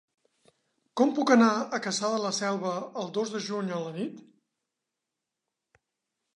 Com puc anar a Cassà de la Selva el dos de juny a la nit?